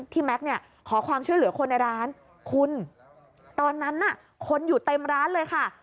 แม็กซ์เนี่ยขอความช่วยเหลือคนในร้านคุณตอนนั้นน่ะคนอยู่เต็มร้านเลยค่ะ